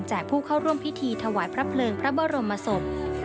ผู้เข้าร่วมพิธีถวายพระเพลิงพระบรมศพ